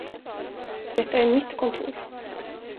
Detta är mitt kontor.